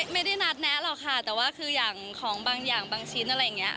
ไม่ได้นัดแนะหรอกค่ะแต่ว่าคืออย่างของบางอย่างบางชิ้นอะไรอย่างนี้